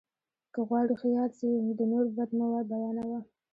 که غواړې ښه یاد سې، د نور بد مه بيانوه!